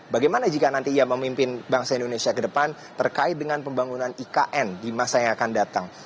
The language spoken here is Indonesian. bagaimana jika nanti ia memimpin bangsa indonesia ke depan terkait dengan pembangunan ikn di masa yang akan datang